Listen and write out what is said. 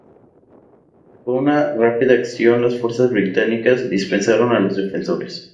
En una rápida acción las fuerzas británicas dispersaron a los defensores.